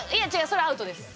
それアウトです。